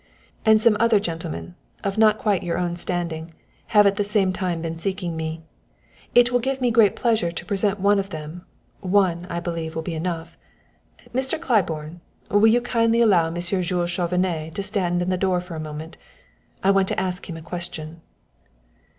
"And some other gentlemen, of not quite your own standing, have at the same time been seeking me. It will give me great pleasure to present one of them one, I believe, will be enough. Mr. Claiborne, will you kindly allow Monsieur Jules Chauvenet to stand in the door for a moment? I want to ask him a question."